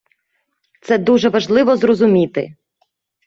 Це дуже важливо зрозуміти.